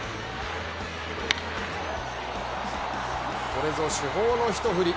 これぞ主砲の１振り。